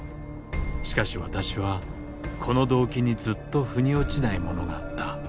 しかし私はこの動機にずっと腑に落ちないものがあった